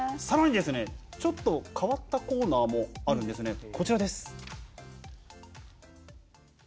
さらに、ちょっと変わったコーナーもあるんですよね。